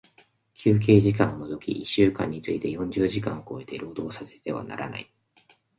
休憩時間を除き一週間について四十時間を超えて、労働させてはならない。